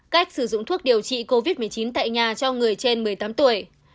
cách sử dụng thuốc điều trị covid một mươi chín tại nhà cho người trên một mươi tám tuổi